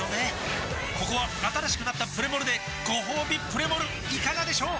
ここは新しくなったプレモルでごほうびプレモルいかがでしょう？